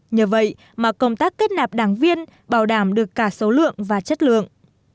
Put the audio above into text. nhờ vậy mà công tác kết nạp đảng viên bảo đảm được cả số lượng và chất lượng